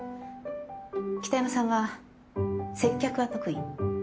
北山さんは接客は得意？